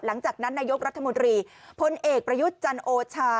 หลังจากนั้นนัยยกรัฐมนตรีพลเอกประยุทธ์จันโอชา